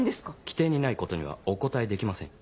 規定にないことにはお答えできません。